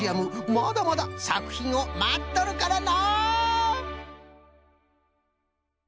まだまださくひんをまっとるからの！